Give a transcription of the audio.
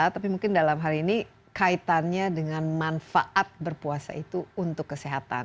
tapi mungkin dalam hal ini kaitannya dengan manfaat berpuasa itu untuk kesehatan